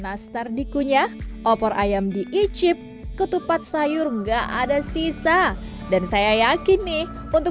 nastar dikunyah opor ayam diicip ketupat sayur enggak ada sisa dan saya yakin nih untuk